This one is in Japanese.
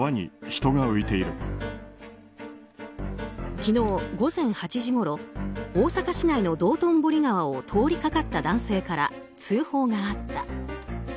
昨日午前８時ごろ大阪市内の道頓堀川を通りかかった男性から通報があった。